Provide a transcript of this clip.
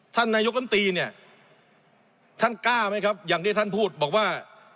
ท่านนายกรรมตีเนี่ยท่านกล้าไหมครับอย่างที่ท่านพูดบอกว่า